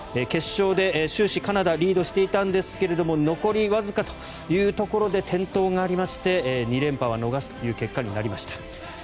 決勝で終始カナダをリードしていたんですが残りわずかというところで転倒がありまして２連覇は逃すという結果になりました。